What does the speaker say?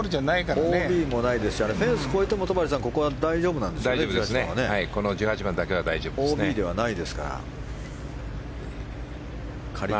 ＯＢもないですからフェンスを越えてもここは大丈夫なんですよね、戸張さん。